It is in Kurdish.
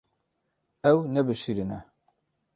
Ew nebişirîne.